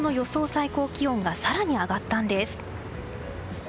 最高気温が更に上がったんです。